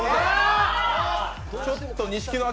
ちょっと錦野旦